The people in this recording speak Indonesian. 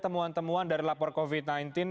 temuan temuan dari lapor covid sembilan belas